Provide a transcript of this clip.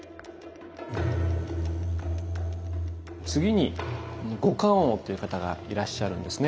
次に五官王という方がいらっしゃるんですね。